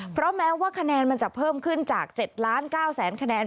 เพราะแม้ว่าคะแนนมันจะเพิ่มขึ้นจาก๗ล้าน๙แสนคะแนน